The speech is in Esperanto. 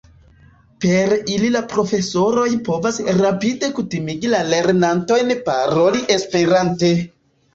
Per ili la profesoroj povas rapide kutimigi la lernantojn paroli esperante.